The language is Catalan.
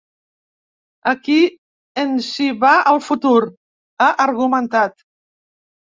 Aquí ens hi va el futur, ha argumentat.